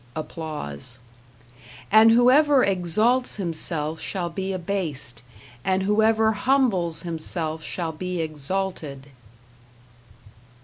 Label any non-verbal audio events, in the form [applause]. [applause] And whoever exalts himself shall be abased, and whoever humbles himself shall be exalted.